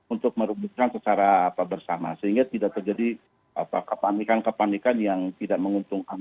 untuk merumuskan secara bersama sehingga tidak terjadi kepanikan kepanikan yang tidak menguntungkan